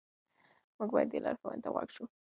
موږ باید دې لارښوونې ته غوږ شو.